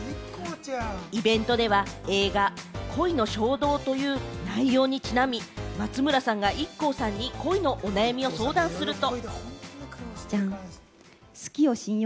イベントでは、映画、恋の衝動という内容にちなみ、松村さんがＩＫＫＯさんに恋のお悩みを相談すると。